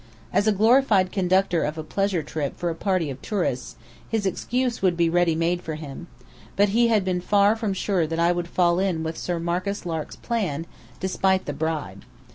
As a glorified conductor of a pleasure trip for a party of tourists his excuse would be readymade for him; but he had been far from sure that I would fall in with Sir Marcus Lark's plan, despite the bribe.